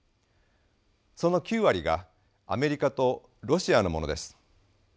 その９割がアメリカとロシアのものです。